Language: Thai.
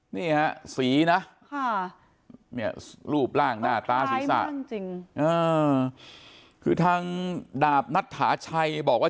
นี่ฮะสีนะเนี่ยรูปร่างหน้าตาศีรษะคือทางดาบนัทถาชัยบอกว่า